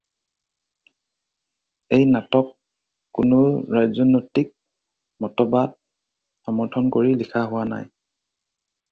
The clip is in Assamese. এই নাটক কোনো ৰাজনৈতিক মতবাদ সমৰ্থন কৰি লিখা হোৱা নাই।